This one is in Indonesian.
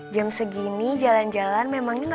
jam segini jalan jalan memang gak panas